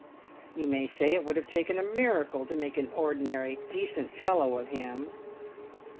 _ You may say it would have taken a miracle to make an ordinary decent fellow of him.